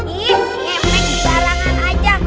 ih nih emang dibarangan aja